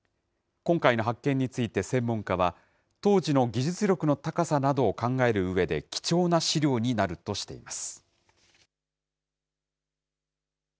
今回の発見について専門家は、当時の技術力の高さなどを考えるうえで貴重な資料になるとしています。